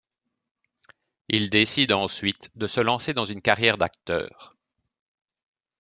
Il décide ensuite de se lancer dans une carrière d'acteur.